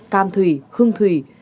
cam thủy khương thủy